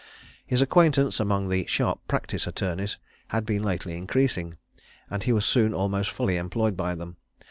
His acquaintance among the "sharp practice" attorneys had been lately increasing, and he was soon almost fully employed by them.